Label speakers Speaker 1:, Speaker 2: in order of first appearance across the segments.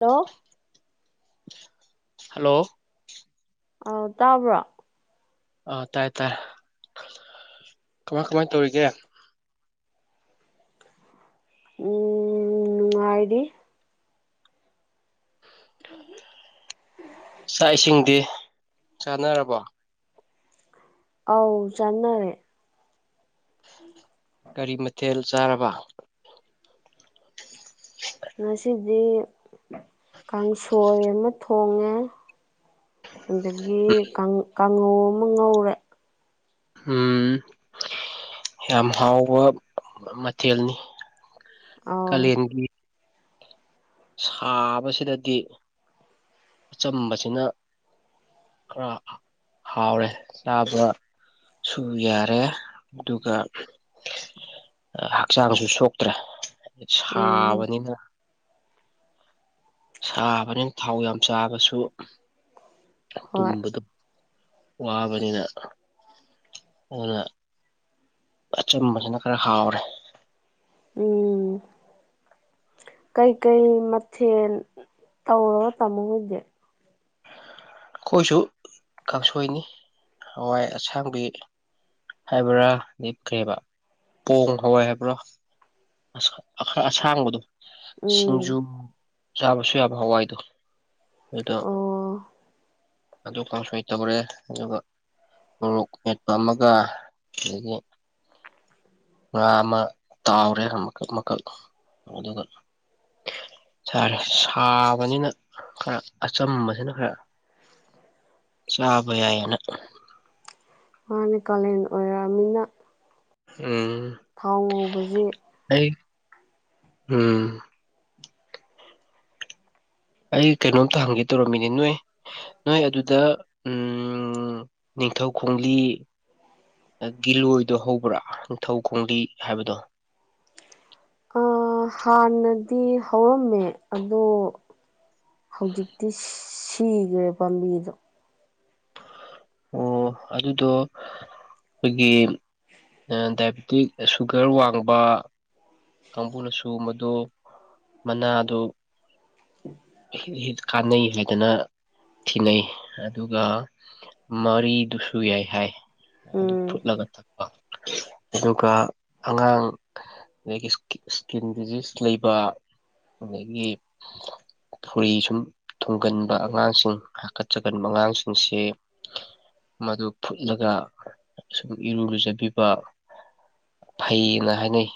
Speaker 1: hello
Speaker 2: hello
Speaker 1: ꯑꯥꯎ ꯇꯥꯕ꯭ꯔꯣ
Speaker 2: ꯑ ꯇꯥꯏꯦ ꯇꯥꯏꯦ ꯀꯃꯥꯏ ꯀꯃꯥꯏ ꯇꯧꯔꯤꯒꯦ
Speaker 1: ꯎꯝ ꯍꯥꯏꯥꯏꯗꯤ ꯍ
Speaker 2: ꯆꯥꯛ ꯏꯁꯤꯡꯗꯤ ꯆꯥꯅꯔꯕꯣ
Speaker 1: ꯑ ꯆꯥꯟꯅꯔꯦ
Speaker 2: ꯀꯔꯤ ꯃꯊꯦꯜ ꯆꯥꯔꯕ
Speaker 1: ꯉꯁꯤꯗꯤ ꯀꯥꯡꯁꯣꯏ ꯑꯃ ꯊꯣꯡꯉꯦ ꯑꯗꯒꯤ ꯀꯥꯡꯉꯧ ꯑꯃ ꯉꯧꯔꯦ
Speaker 2: ꯎꯝ ꯌꯥꯝ ꯍꯥꯎꯕ ꯃꯊꯦꯜꯅꯤ
Speaker 1: ꯑꯥꯎ
Speaker 2: ꯀꯂꯡꯒꯤ ꯁꯥꯕꯁꯤꯗꯗꯤ ꯑꯆꯝꯕꯁꯤꯅ ꯈꯔ ꯍꯥꯎꯔꯦ ꯆꯥꯕ ꯁꯨ ꯌꯥꯔꯦ ꯑꯗꯨꯒ ꯍꯛꯆꯥꯡꯁꯨ ꯁꯣꯛꯇ꯭ꯔꯦ
Speaker 1: ꯎꯝ
Speaker 2: ꯁꯥꯕꯅꯤꯅ ꯁꯥꯕꯅꯤꯅ ꯊꯥꯎ ꯌꯥꯝ ꯆꯥꯕꯁꯨ
Speaker 1: ꯍꯣꯏ
Speaker 2: ꯇꯨꯝꯕꯗ ꯋꯥꯕꯅꯤꯅ ꯎꯅ ꯑꯆꯨꯝꯕꯁꯤꯅ ꯈꯔ ꯍꯥꯎꯔꯦ
Speaker 1: ꯎꯝ ꯀꯩꯀꯩ ꯃꯊꯦꯜ ꯇꯧꯔꯕ ꯇꯝꯃꯣ ꯍꯣꯏꯗꯤ
Speaker 2: ꯑꯩꯈꯣꯏꯁꯨ ꯀꯥꯡꯁꯣꯏꯅꯤ ꯍꯋꯥꯏ ꯑꯁꯥꯡꯕꯤ ꯍꯥꯏꯕ꯭ꯔꯥ ꯂꯦꯞꯈ꯭ꯔꯦꯕ ꯄꯣꯡ ꯍꯋꯥꯏ ꯍꯥꯏꯕ꯭ꯔꯥ ꯑꯁꯥꯡꯕꯗꯣ
Speaker 1: ꯎꯝ
Speaker 2: ꯁꯤꯡꯖꯨ ꯌꯥꯕꯁꯨ ꯌꯥꯕ ꯍꯋꯥꯏꯗꯣ ꯑꯗꯨꯗꯣ
Speaker 1: ꯑꯣ
Speaker 2: ꯑꯗꯨ ꯀꯣꯡꯁꯨꯣꯏ ꯇꯕꯔꯦ ꯑꯗꯨꯒ ꯃꯣꯔꯣꯛ ꯃꯦꯠꯄ ꯑꯃꯒ ꯑꯗꯒꯤ ꯉꯥ ꯑꯃ ꯇꯥꯎꯔꯦ ꯑꯃꯀꯛ ꯃꯀꯛ ꯑꯗꯨꯒ ꯁꯥꯔ ꯁꯥꯕꯅꯤꯅ ꯈꯔ ꯑꯆꯝꯝꯕꯕꯁꯤꯅ ꯈꯔ ꯁꯥꯕ ꯌꯥꯅ
Speaker 1: ꯃꯥ ꯅꯦꯀꯥꯂꯦꯟ ꯑꯣꯏꯔꯛꯑꯃꯤꯅ
Speaker 2: ꯎꯝ
Speaker 1: ꯊꯥꯎ ꯉꯧꯕꯁꯦ
Speaker 2: ꯑꯩ ꯎꯝ ꯑꯩ ꯀꯩꯅꯣꯝꯇ ꯍꯪꯒꯦ ꯇꯧꯔꯝꯃꯤꯅꯦ ꯅꯣꯏ ꯅꯣꯏ ꯑꯗꯨꯗ ꯎ ꯅꯤꯡꯊꯧ ꯈꯣꯡꯂꯤ ꯒꯤꯂꯣꯏꯗꯣ ꯍꯧꯕ꯭ꯔꯥ ꯅꯤꯡꯊꯧ ꯈꯣꯡꯗꯤ ꯍꯥꯏꯕꯗꯣ
Speaker 1: ꯑ ꯍꯥꯟꯅꯗꯤ ꯍꯧꯔꯝꯃꯦ ꯑꯗꯣ ꯍꯧꯖꯤꯛꯇꯤ ꯁꯤꯈ꯭ꯔꯦ ꯄꯥꯝꯕꯤꯗꯣ
Speaker 2: ꯑꯣ ꯑꯗꯨꯗꯣ ꯑꯩꯈꯣꯏꯒꯤ ꯗꯥꯏꯕꯤꯇꯤꯛ ꯁꯨꯒꯔ ꯋꯥꯡꯕ ꯀꯥꯡꯕꯨꯅꯁꯨ ꯃꯗꯨ ꯃꯅꯥ ꯑꯗꯨ ꯀꯥꯟꯅꯩ ꯍꯥꯏꯗꯅ ꯊꯤꯅꯩ ꯑꯗꯨꯒ ꯃꯔꯤꯗꯨꯁꯨ ꯌꯥꯏ ꯍꯥꯏ ꯑꯗꯨ
Speaker 1: ꯎꯝ
Speaker 2: ꯐꯨꯠꯂꯒ ꯊꯛꯄ ꯑꯗꯨꯒ ꯑꯉꯥꯡ ꯑꯗꯒꯤ ꯏꯁꯀꯤꯟ ꯗꯤꯖꯤꯖ ꯂꯩꯕ ꯑꯒꯤ ꯐꯨꯔꯤ ꯁꯨꯝ ꯊꯨꯡꯒꯟꯕ ꯑꯉꯥꯡꯁꯤꯡ ꯍꯥꯀꯠꯆꯒꯟꯕ ꯑꯉꯥꯡꯁꯤꯡꯁꯤ ꯃꯗꯨ ꯐꯨꯠꯂꯒ ꯁꯨꯝ ꯏꯔꯨ ꯂꯨꯖꯕꯤꯕ ꯐꯩꯅ ꯍꯥꯏꯅꯩ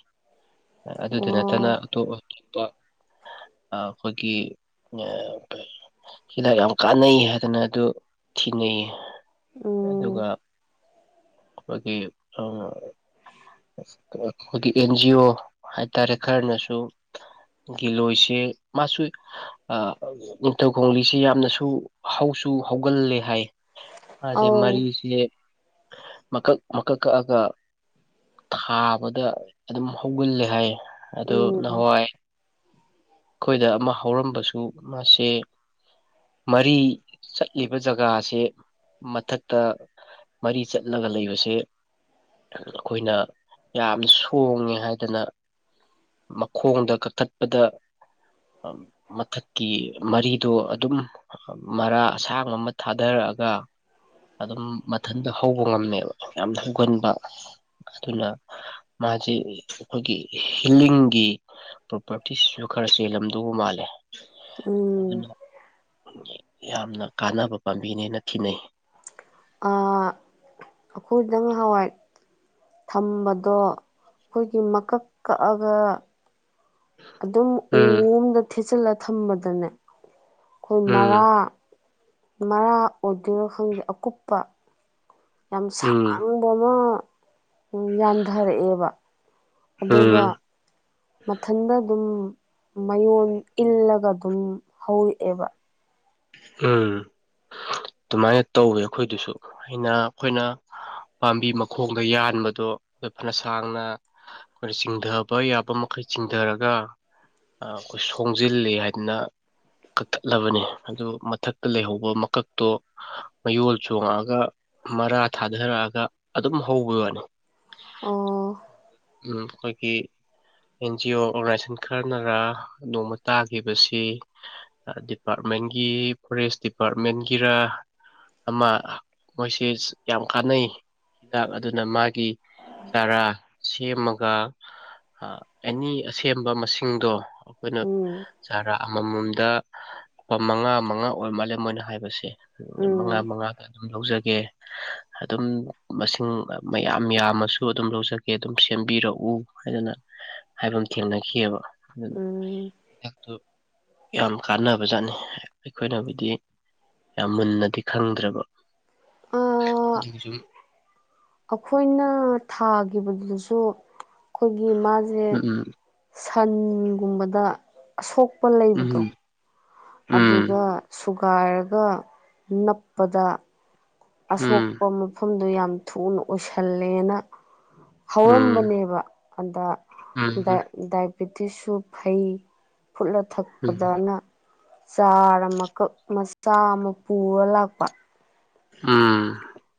Speaker 2: ꯑꯗꯨꯗ ꯅꯠꯇꯅ
Speaker 1: ꯑꯣ
Speaker 2: ꯑꯇꯣꯞ ꯑꯇꯣꯞꯄ ꯑꯩꯈꯣꯏꯒꯤ ꯍꯤꯗꯥꯛ ꯌꯥꯝ ꯀꯥꯟꯅꯩ ꯍꯥꯏꯗꯅ ꯑꯗꯨ ꯊꯤꯅꯩꯌꯦ
Speaker 1: ꯎꯝ
Speaker 2: ꯑꯗꯨꯒ ꯑꯩꯈꯣꯏꯒꯤ ꯁ ꯑꯩꯈꯣꯏꯒꯤ ꯑꯦꯟꯖꯤ ꯑꯣ ꯍꯥꯏꯇꯥꯔꯦ ꯈꯔꯅꯁꯨ ꯒꯤꯂꯣꯁꯦ ꯃꯥꯁꯨ ꯅꯤꯡꯊꯧꯈꯣꯡꯂꯤꯁꯤꯦ ꯌꯥꯝꯅꯁꯨ ꯍꯧꯁꯨ ꯍꯧꯒꯜꯂꯦ ꯍꯥꯏ ꯃꯥꯁꯦ
Speaker 1: ꯑꯧ
Speaker 2: ꯃꯔꯤꯁꯦ ꯃꯀꯛ ꯃꯀꯛ ꯀꯛꯑꯒ ꯊꯥꯕꯗ ꯑꯗꯨꯝ ꯍꯧꯒꯜꯂꯦ ꯍꯥꯏꯌꯦ ꯑꯗꯨ
Speaker 1: ꯎꯝ
Speaker 2: ꯅꯍꯥꯟꯋꯥꯏ ꯑꯩꯈꯣꯏꯗ ꯑꯃ ꯍꯧꯔꯝꯕꯁꯨ ꯑꯗꯨ ꯃꯥꯁꯦ ꯃꯔꯤ ꯆꯠꯂꯤꯕ ꯖꯒꯥꯁꯦ ꯃꯊꯛꯇ ꯃꯔꯤ ꯆꯠꯂꯒ ꯂꯩꯕꯁꯦ ꯑꯩꯈꯣꯏꯅ ꯌꯥꯝꯅ ꯁꯣꯡꯉꯦ ꯍꯥꯏꯗꯅ ꯃꯈꯣꯡꯗ ꯀꯛꯊꯠꯄꯗ ꯃꯊꯛ ꯀꯤ ꯃꯔꯤꯗꯣ ꯑꯗꯨꯝ ꯃꯔꯥ ꯑꯁꯥꯡ ꯑꯃ ꯊꯥꯗꯔꯛꯑꯒ ꯑꯗꯨꯝ ꯃꯊꯟꯇ ꯍꯧꯕ ꯉꯝꯃꯦꯕ ꯌꯥꯝ ꯍꯧꯒꯟꯕ ꯑꯗꯨꯅ ꯃꯥꯁ ꯑꯩꯈꯣꯏꯒꯤ ꯍꯤꯂꯤꯡꯒꯤ ꯄ꯭ꯔꯣꯄꯔꯇꯤꯁꯨ ꯈꯔ ꯆꯦꯜꯂꯝꯗꯧꯕ ꯃꯥꯜꯂꯦ
Speaker 1: ꯎꯝ
Speaker 2: ꯑꯗꯨꯅ ꯌꯥꯝꯅ ꯀꯥꯟꯅꯕ ꯄꯥꯝꯕꯤꯅꯦꯅ ꯈꯦꯅꯩ
Speaker 1: ꯑ ꯑꯩꯈꯣꯏꯗꯪ ꯍꯋꯥꯏ ꯊꯝꯕꯗꯣ ꯑꯩꯈꯣꯏꯒꯤ ꯃꯀꯛ ꯀꯛꯑꯒ ꯑꯗꯨꯝ
Speaker 2: ꯎꯝ
Speaker 1: ꯎꯝꯗ ꯊꯦꯠꯆꯤꯜꯂ ꯊꯝꯕꯗꯅꯦ ꯑꯩꯈꯣꯏ
Speaker 2: ꯎꯝ
Speaker 1: ꯃꯔꯥ ꯃꯔꯥ ꯑꯣꯏꯗꯣꯏꯅꯣ ꯈꯪꯗꯦ ꯑꯀꯨꯞꯄ ꯌꯥꯝ
Speaker 2: ꯎꯝ
Speaker 1: ꯁꯥꯡꯕ ꯑꯃ ꯎ ꯌꯥꯟꯊꯔꯛꯑꯦꯕ
Speaker 2: ꯎꯝ
Speaker 1: ꯑꯗꯨꯒ ꯃꯊꯟꯗ ꯑꯗꯨꯝ ꯃꯌꯣꯟ ꯏꯜꯂꯒ ꯑꯗꯨꯝ ꯍꯧꯔꯛꯑꯦꯕ
Speaker 2: ꯎꯝ ꯑꯗꯨꯃꯥꯏꯅ ꯇꯧꯋꯦ ꯑꯩꯈꯣꯏꯗꯨꯁꯨ ꯑꯩꯅ ꯑꯩꯈꯣꯏꯅ ꯄꯥꯝꯕꯤ ꯃꯈꯣꯡꯗ ꯌꯥꯟꯕꯗꯣ ꯑꯩꯈꯣꯏ ꯐꯅ ꯁꯥꯡꯅ ꯑꯩꯈꯣꯏꯅ ꯆꯤꯡꯊꯕ ꯌꯥꯕ ꯃꯈꯩ ꯆꯤꯡꯊꯔꯒ ꯑꯩꯈꯣꯏ ꯁꯣꯡꯖꯤꯜꯂꯤ ꯍꯥꯏꯗꯅ ꯀꯛꯊꯠꯂꯕꯅꯤ ꯑꯗꯨ ꯃꯊꯛꯇ ꯂꯩꯍꯧꯕ ꯃꯀꯛꯇꯣ ꯃꯌꯣꯜ ꯆꯣꯡꯉꯛꯑꯒ ꯃꯔꯥ ꯊꯥꯗꯔꯛꯑ ꯑꯗꯨꯝ ꯍꯧꯕꯒꯤ ꯋꯥꯅꯤ
Speaker 1: ꯑꯣ
Speaker 2: ꯎꯝ ꯑꯩꯀꯤ ꯑꯦꯟ ꯖꯤ ꯑꯣ ꯑꯣꯔꯒꯅꯥꯏꯖꯦꯁꯟ ꯈꯔꯅꯔ ꯅꯣꯡꯃ ꯇꯥꯈꯤꯕꯁꯤ ꯗꯤꯄꯥꯔꯠꯦꯟ ꯃꯒꯤ ꯐꯣꯔꯦꯁ ꯗꯤꯄꯥꯔꯠꯃꯦꯟꯒꯤꯔ ꯑꯃ ꯃꯣꯏꯁꯦ ꯌꯥꯝ ꯀꯥꯟꯅꯩ ꯍꯤꯗꯥꯛ ꯑꯗꯨꯅ ꯃꯥꯒꯤ ꯆꯥꯔꯥ ꯁꯦꯝꯃꯒ ꯑꯦꯅꯤ ꯑꯁꯦꯡꯕ ꯃꯁꯤꯡꯗꯣ ꯑꯩꯈꯣꯏꯅ
Speaker 1: ꯎꯝ
Speaker 2: ꯆꯥꯔꯥ ꯑꯃꯃꯝꯗ ꯂꯨꯄꯥ ꯃꯉꯥ ꯃꯉꯥ ꯑꯣꯏ ꯃꯥꯜꯂꯦ ꯃꯣꯏꯅ ꯍꯥꯏꯕꯁꯦ ꯃꯉꯥ
Speaker 1: ꯎꯝ
Speaker 2: ꯃꯉꯥ ꯑꯗꯨꯝ ꯂꯧꯖꯒꯦ ꯑꯗꯨꯝ ꯃꯁꯤꯡ ꯃꯌꯥꯝ ꯌꯥꯝꯃꯁꯨ ꯑꯗꯨꯝ ꯂꯧꯖꯒꯦ ꯑꯗꯨꯝ ꯁꯦꯝꯕꯤꯔꯛꯎ ꯍꯥꯏꯗꯅ ꯍꯥꯏꯕ ꯊꯦꯡꯅꯈꯤꯑꯕ ꯑꯗꯨꯅ
Speaker 1: ꯎꯝ
Speaker 2: ꯍꯤꯗꯛꯇꯨ ꯌꯥꯝ ꯀꯥꯟꯅꯕꯖꯥꯠꯅꯤ ꯑꯩꯈꯣꯏꯅꯕꯨꯗꯤ ꯌꯥꯝ ꯃꯨꯟꯅꯗꯤ ꯈꯪꯗ꯭ꯔꯕ
Speaker 1: ꯑ ꯑꯩꯈꯣꯏꯅ ꯊꯥꯒꯤꯈꯤꯕꯗꯨꯗꯁꯨ ꯑꯩꯈꯣꯏꯒꯤ ꯃꯥꯁꯦ
Speaker 2: ꯎꯝ
Speaker 1: ꯁꯟꯒꯨꯝꯕꯗ ꯑꯁꯣꯛ ꯑꯄꯟ ꯂꯩꯕꯗꯣ
Speaker 2: ꯎꯝ ꯎꯝ ꯎꯝ
Speaker 1: ꯑꯗꯨꯒ ꯁꯨꯒꯥꯏꯔꯒ ꯅꯞꯄꯗ
Speaker 2: ꯎꯝ
Speaker 1: ꯑꯁꯣꯛꯄ ꯃꯐꯝꯗꯨ ꯌꯥꯝ ꯊꯨꯅ ꯑꯣꯏꯁꯜꯂꯦꯅ
Speaker 2: ꯎꯝ
Speaker 1: ꯍꯧꯔꯝꯕꯅꯦꯕ ꯑꯗ
Speaker 2: ꯎꯝ
Speaker 1: ꯗꯥꯏꯕꯦꯇꯤꯁꯁꯨ ꯐꯩ ꯐꯨꯠꯂ
Speaker 2: ꯎꯝ
Speaker 1: ꯊꯛꯄꯗꯅ ꯆꯥꯔ ꯑꯃꯀꯛ ꯆꯥ ꯑꯃ ꯄꯨꯔ ꯂꯥꯛꯄ
Speaker 2: ꯑꯝ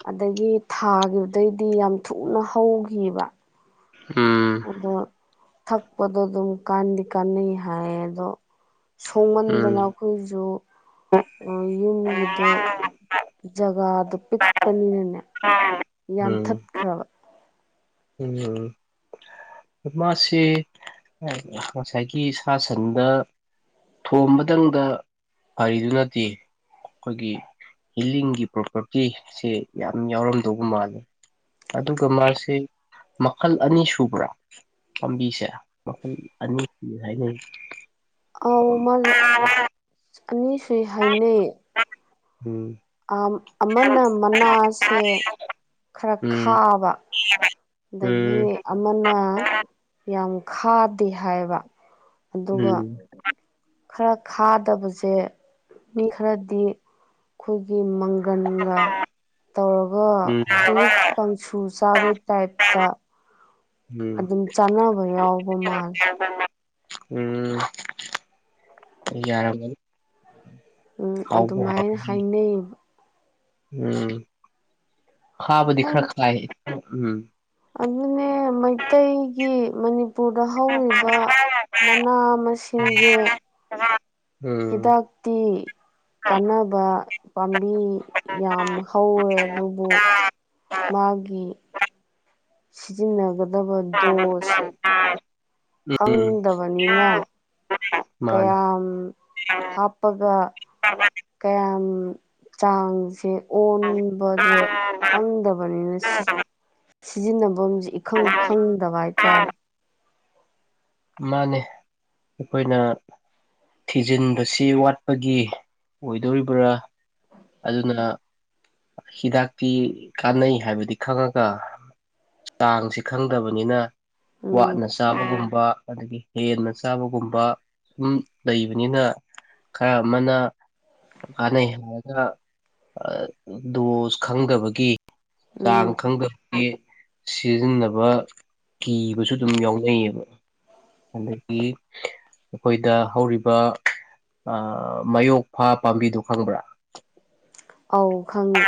Speaker 1: ꯑꯗꯒꯤ ꯊꯥꯈꯤꯕꯗꯩꯗꯤ ꯌꯥꯝ ꯊꯨꯅ ꯍꯧꯈꯤꯕ
Speaker 2: ꯎꯝ
Speaker 1: ꯑꯗꯣ ꯊꯛꯄꯗꯣ ꯑꯗꯨꯝ ꯀꯥꯟꯗꯤ ꯀꯥꯟꯅꯩ ꯍꯥꯏꯌꯦ ꯑꯗꯣ ꯁꯣꯡꯍꯟꯗꯅ
Speaker 2: ꯎꯝ
Speaker 1: ꯑꯩꯈꯣꯏꯁꯨ ꯌꯨꯝꯒꯤꯗꯣ ꯖꯒꯥꯗꯨ ꯄꯤꯛꯄꯅꯤꯅꯅꯦ
Speaker 2: ꯎꯝ
Speaker 1: ꯌꯥꯟꯊꯠꯈ꯭ꯔꯕ
Speaker 2: ꯎꯝ ꯃꯥꯁꯦ ꯉꯁꯥꯏꯒꯤ ꯁꯥ ꯁꯟꯗ ꯊꯣꯝꯕꯇꯪꯗ ꯐꯔꯤꯗꯨ ꯅꯠꯇꯦ ꯑꯩꯈꯣꯏꯒꯤ ꯍꯤꯂꯤꯡꯒꯤ ꯄ꯭ꯔꯣꯄꯔꯇꯤꯁꯦ ꯌꯥꯝ ꯌꯥꯎꯔꯝꯗꯧꯕ ꯃꯥꯜꯜꯂꯤꯦ ꯑꯗꯨꯒ ꯃꯥꯁꯤ ꯃꯈꯜ ꯑꯅꯤ ꯁꯨꯕ꯭ꯔꯥ ꯄꯥꯝꯕꯤꯁꯦ ꯃꯈꯜ ꯑꯅꯤ ꯍꯥꯏꯅꯩ
Speaker 1: ꯑꯥꯎ
Speaker 2: ꯎꯝ
Speaker 1: ꯃꯥꯁꯦ ꯑꯅꯤ ꯁꯨꯏ ꯍꯥꯏꯅꯩꯌꯦ
Speaker 2: ꯎꯝ
Speaker 1: ꯑ ꯑꯃꯟ ꯃꯅꯥꯁꯦ ꯈꯔ
Speaker 2: ꯎꯝ
Speaker 1: ꯈꯥꯕ ꯑꯗꯒꯤ
Speaker 2: ꯎꯝ
Speaker 1: ꯑꯃꯅ ꯌꯥꯝ ꯈꯥꯗꯦ ꯍꯥꯏꯕ ꯑꯗꯨꯒ
Speaker 2: ꯎꯝ
Speaker 1: ꯈꯔ ꯈꯥꯗꯕꯁꯦ ꯃꯤ ꯈꯔꯗꯤ ꯑꯩꯈꯣꯏꯒꯤ ꯪꯒꯥꯥ ꯇꯧꯔꯒ
Speaker 2: ꯎꯝ
Speaker 1: ꯄꯤꯔꯛ ꯀꯥꯡꯁꯨ ꯆꯥꯕꯩ ꯇꯥꯏꯞꯇ
Speaker 2: ꯎꯝ
Speaker 1: ꯑꯗꯨꯝ ꯆꯥꯅꯕ ꯌꯥꯎꯕ ꯃꯥꯜꯂꯦ
Speaker 2: ꯎꯝ ꯌꯥꯔꯃꯅꯤ
Speaker 1: ꯎꯝ ꯑꯗꯨꯃꯥꯏꯅ ꯍꯥꯏꯅꯩ
Speaker 2: ꯎꯝ ꯈꯥꯕꯗꯤ ꯈꯔ ꯈ ꯏ ꯎꯝ
Speaker 1: ꯑꯗꯨꯅꯦ ꯃꯩꯇꯩꯒꯤ ꯃꯅꯤꯄꯨꯔꯗ ꯍꯧꯔꯤꯕ ꯃꯅꯥ ꯃꯁꯤꯡꯁꯦ
Speaker 2: [unintelligible]
Speaker 1: ꯍꯤꯗꯥꯛꯇꯤ ꯀꯥꯟꯅꯕ ꯄꯥꯝꯕꯤ ꯌꯥꯝ ꯍꯧꯋꯦ ꯑꯗꯨꯕꯨ ꯃꯥꯒꯤ ꯁꯤꯖꯤꯟꯅꯒꯗꯕ ꯗꯣꯁꯦ
Speaker 2: ꯎꯝ
Speaker 1: ꯈꯪꯗꯕꯅꯤꯅ
Speaker 2: ꯃꯥꯅꯦ
Speaker 1: ꯀꯌꯥꯝ ꯍꯥꯞꯄꯒ ꯀꯌꯥꯝ ꯆꯥꯡꯁꯦ ꯑꯣꯟꯕꯁꯦ ꯈꯪꯗꯕꯅꯤꯅ ꯁꯤ ꯁꯤꯖꯤꯟꯅꯐꯝ ꯑꯃꯁꯁꯦ ꯏꯈꯪ ꯈꯪꯗꯕ ꯍꯥꯏꯇꯥꯔꯦ
Speaker 2: ꯃꯥꯅꯦ ꯑꯩꯈꯣꯏꯅ ꯊꯤꯖꯤꯟꯕꯁꯤ ꯋꯥꯠꯄꯒꯤ ꯑꯣꯏꯗꯣꯔꯤꯕ꯭ꯔꯥ ꯑꯗꯨꯅ ꯍꯤꯗꯥꯛꯇꯤ ꯀꯥꯟꯅꯩ ꯍꯥꯏꯕꯗꯤ ꯈꯪꯉꯒ ꯆꯥꯡꯁ ꯈꯪꯗꯕꯅꯤꯅ
Speaker 1: ꯎꯝ
Speaker 2: ꯋꯥꯠꯅ ꯆꯥꯕꯒꯨꯝꯕ ꯑꯗꯒꯤ ꯍꯦꯟꯅ ꯆꯥꯕꯒꯨꯝꯕ ꯁꯨꯝ ꯂꯩꯕꯅꯤꯅ ꯀ ꯃꯅ ꯀꯥꯟꯅꯩ ꯍꯥꯏꯔꯒ ꯗꯣꯁ ꯈꯪꯗꯕꯒꯤ ꯆꯥꯡ
Speaker 1: ꯎꯝ
Speaker 2: ꯈꯪꯗꯕꯦ ꯁꯤꯖꯤꯟꯅꯕ ꯀꯤꯕꯁꯨ ꯑꯗꯨꯝ ꯌꯥꯎꯅꯩꯌꯦꯕ ꯑꯗꯒꯤ ꯑꯩꯈꯣꯏꯗ ꯍꯧꯔꯤꯕ ꯃꯌꯣꯛꯐꯥ ꯄꯥꯝꯕꯤꯗꯨꯣ ꯈꯪꯕ꯭ꯔꯥ
Speaker 1: ꯑꯧ ꯈꯪꯉꯦ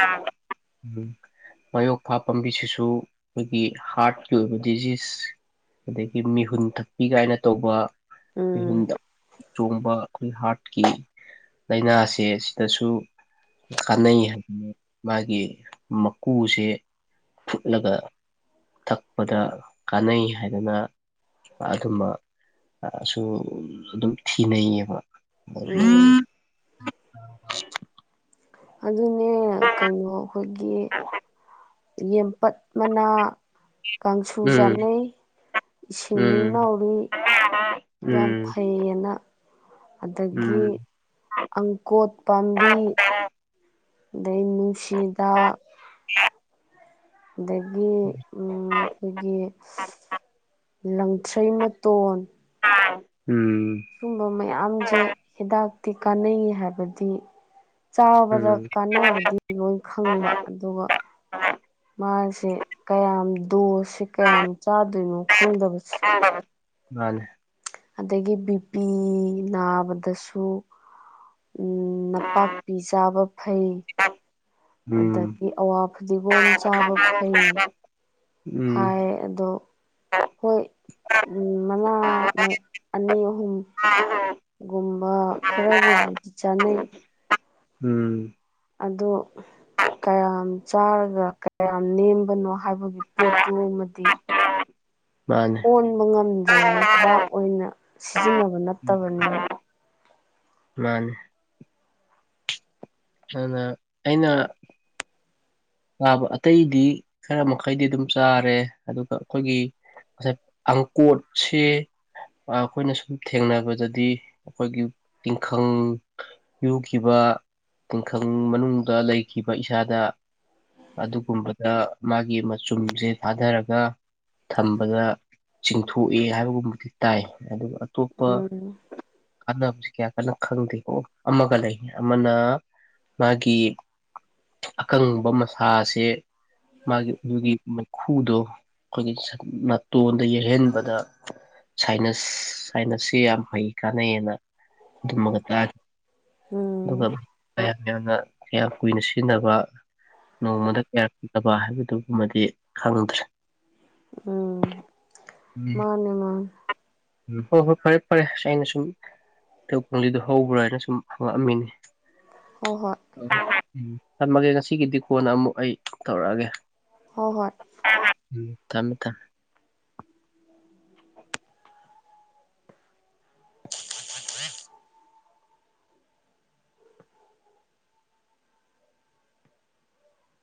Speaker 2: ꯃꯌꯣꯛꯄ ꯄꯥꯝꯕꯤꯁꯤꯁꯨ ꯑꯩꯈꯣꯏꯒꯤ ꯍꯥꯔꯠꯀꯤ ꯑꯣꯏꯕ ꯗꯤꯖꯤꯖ ꯑꯗꯒꯤ ꯃꯤꯍꯨꯟ ꯊꯛꯄꯤ ꯀꯥꯏꯅ ꯇꯧꯕ
Speaker 1: ꯎꯝ
Speaker 2: ꯌꯍꯨꯝꯗ ꯆꯣꯡꯕ ꯑꯩꯈꯣꯏ ꯍꯥꯔꯠ ꯀꯤ ꯂꯥꯏꯅꯥꯁꯦ ꯁꯤꯗꯁꯨ ꯀꯥꯟꯅꯩ ꯍꯥꯏ ꯃꯥꯒꯤ ꯃꯀꯨꯁꯦ ꯐꯨꯠꯂꯒ ꯊꯛꯄꯗ ꯀꯥꯟꯅꯩ ꯍꯥꯏꯗꯅ ꯑꯗꯨꯝꯕ ꯁꯨ ꯑꯗꯨꯝ ꯊꯤꯅꯩꯌꯦꯕ ꯎꯝ
Speaker 1: ꯑꯗꯨꯅꯦ ꯀꯩꯅꯣ ꯑꯩꯈꯣꯏꯒꯤ ꯌꯦꯦꯝꯄꯠ ꯃꯅꯥ ꯀꯥꯡꯥꯡꯁꯨ
Speaker 2: ꯎꯝ
Speaker 1: ꯆꯅꯩ ꯏꯁꯤꯡꯂꯤ
Speaker 2: ꯎꯝ
Speaker 1: ꯅꯥꯔꯤ ꯌꯥꯝ
Speaker 2: ꯎꯝ
Speaker 1: ꯐꯩꯌꯦꯅ ꯑꯗꯒꯤ
Speaker 2: ꯎꯝ
Speaker 1: ꯑꯪꯀꯣꯠ ꯄꯥꯝꯕꯤ ꯂꯩꯃꯅꯨꯡꯁꯤꯗꯥ ꯑꯗꯒꯤ ꯑꯩꯈꯣꯏꯒꯤ ꯂꯪꯊ꯭ꯔꯩ ꯃꯇꯣꯟ
Speaker 2: ꯎꯝ
Speaker 1: ꯁꯨꯝꯕ ꯃꯌꯥꯝꯁꯦ ꯍꯤꯗꯥꯛꯇꯤ ꯀꯥꯟꯅꯩ ꯍꯥꯏꯕꯗꯤ ꯆꯥꯕꯗ
Speaker 2: ꯎꯝ
Speaker 1: ꯀꯥꯟꯅꯕꯗꯤ ꯂꯣꯏ ꯈꯪꯕ ꯑꯗꯨꯒ ꯃꯥ ꯁꯦ ꯀꯌꯥꯝ ꯗꯣꯁꯦ ꯀꯌꯥꯝ ꯆꯥꯗꯣꯏꯅꯣ ꯈꯪꯗꯕꯁꯦ
Speaker 2: ꯃꯥꯅꯦꯦ
Speaker 1: ꯑꯗꯒꯤ ꯕꯤ ꯄꯤ ꯅꯥꯕꯗꯁꯨ ꯎꯝ
Speaker 2: ꯎꯝ
Speaker 1: ꯅꯄꯥꯛꯄꯤ ꯆꯥꯕ ꯐꯩ
Speaker 2: ꯎꯝ
Speaker 1: ꯑꯗꯒꯤ ꯑꯋꯥ ꯐꯗꯤꯒꯣꯝ ꯆꯥꯕ ꯐꯩ ꯍꯌꯦꯗ ꯍꯣꯏ ꯃꯅꯥꯥ ꯑꯅꯤ ꯑꯍꯨꯝ ꯒꯨꯝꯕ ꯈꯔꯒꯕꯨꯗꯤ ꯆꯥꯅꯩ
Speaker 2: ꯎꯝ
Speaker 1: ꯑꯗꯣ ꯀꯌꯥꯝ ꯆꯥꯔꯒ ꯀꯌꯥꯝ ꯅꯦꯝꯕꯅꯣ ꯍꯥꯏꯕꯒꯤ ꯄꯣꯠꯇꯨꯃꯗꯤ
Speaker 2: ꯃꯥꯅꯦ
Speaker 1: ꯑꯣꯟꯕ ꯉꯝꯗ꯭ꯔꯦꯅꯅ ꯍꯤꯗꯥꯛ ꯑꯣꯏꯅ ꯁꯤꯖꯤꯟꯅꯕ ꯅꯠꯇꯕꯅꯤꯅ
Speaker 2: ꯃꯥꯅꯤ ꯑꯅ ꯑꯩꯅ ꯆꯥꯕ ꯑꯇꯩꯗꯤ ꯈꯔ ꯃꯈꯩꯗꯤ ꯑꯗꯨꯝ ꯆꯥꯔꯦ ꯑꯗꯨꯒ ꯑꯩꯈꯣꯏꯒꯤ ꯑꯦ ꯑꯪ ꯀꯠꯁꯤ ꯑꯩꯈꯣꯏꯅ ꯁꯨꯝ ꯊꯦꯡꯅꯕꯗꯗꯤ ꯑꯩꯈꯣꯏꯒꯤ ꯇꯤꯡꯈꯪ ꯌꯨꯈꯤꯕ ꯇꯤꯡꯈꯪ ꯃꯅꯨꯡꯗ ꯂꯩꯈꯤꯕ ꯏꯁꯥꯗ ꯑꯗꯨꯒꯨꯝꯕꯗ ꯃꯥꯒꯤ ꯃꯆꯨꯝꯁꯦ ꯊꯥꯗꯔꯒ ꯊꯝꯕꯗ ꯆꯤꯡꯊꯣꯛꯑꯦ ꯍꯥꯏꯕꯒꯨꯝꯕꯗꯤ ꯇꯥꯏ ꯑꯗꯨꯒ
Speaker 1: ꯎꯝ
Speaker 2: ꯀꯥꯟꯅꯕꯁꯦ ꯀꯌꯥ ꯀꯟꯅ ꯈꯪꯗꯦꯀꯣ ꯑꯃꯒ ꯂꯩ ꯑꯃꯅ ꯃꯥꯒꯤ ꯑꯀꯪꯕ ꯃꯁꯥꯁꯦ ꯃꯥꯒꯤ ꯑꯗꯨꯒꯤ ꯃꯩꯨꯗꯣ ꯑꯩꯈꯣꯏꯒꯤ ꯅꯥꯇꯣꯟꯗ ꯌꯩꯍꯟꯕꯗ ꯁꯥꯏꯅꯁ ꯁꯥꯏꯅꯁꯁꯤ ꯌꯥꯝ ꯐꯩ ꯀꯥꯟꯅꯩꯑꯅ ꯑꯗꯨꯝꯃꯒ ꯇꯥꯈꯤ
Speaker 1: ꯎꯝ
Speaker 2: ꯑꯗꯨꯒ ꯃꯌꯥꯝ ꯌꯥꯝꯅ ꯀꯌꯥꯝ ꯀꯨꯏꯅ ꯁꯤꯖꯤꯟꯅꯕ ꯅꯣꯡꯃꯗ ꯌꯥꯔꯛꯀꯗꯕ ꯍꯥꯏꯕꯗꯨꯃꯗꯤ ꯈꯪꯗ꯭ꯔꯦ
Speaker 1: ꯎꯝ ꯃꯥꯅꯦ ꯃꯥ
Speaker 2: ꯎ ꯍꯣꯏ ꯍꯣꯏ ꯐꯔꯦ ꯐꯔꯦꯁ ꯑꯩꯅ ꯁꯨꯝ ꯈꯖꯗꯣ ꯍꯧꯕ꯭ꯔꯥ ꯍꯥꯏꯅ ꯁꯨꯝ ꯍꯪꯉꯛꯑꯝꯃꯤꯅꯤ
Speaker 1: ꯍꯣꯏ ꯍꯣꯏ
Speaker 2: ꯑ ꯎꯝ ꯊꯝꯃꯒꯦ ꯉꯁꯤꯒꯤꯗꯤ ꯀꯣꯟꯅ ꯑꯃꯨꯛ ꯑꯩ ꯇꯧꯔꯛꯑꯒꯦ
Speaker 1: ꯍꯣꯏ ꯍꯣꯏ
Speaker 2: ꯀꯃꯤꯇ